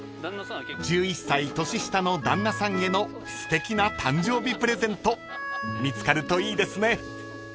［１１歳年下の旦那さんへのすてきな誕生日プレゼント見つかるといいですね］